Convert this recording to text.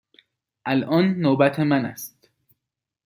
الان نوبت من است.